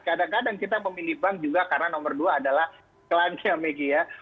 kadang kadang kita memilih bank juga karena nomor dua adalah klannya maggie ya